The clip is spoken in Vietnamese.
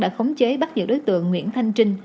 đã khống chế bắt giữ đối tượng nguyễn thanh trinh